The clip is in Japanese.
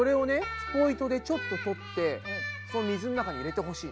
スポイトでちょっと取って水の中に入れてほしい。